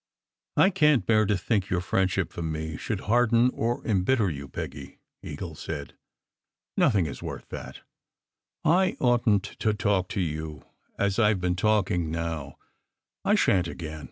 "I can t bear to think your friendship for me should harden or embitter you, Peggy," Eagle said. "Nothing is worth that ! I oughtn t to talk to you as I ve been talking now. I shan t again.